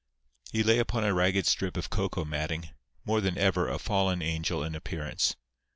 He lay upon a ragged strip of cocoa matting, more than ever a fallen angel in appearance.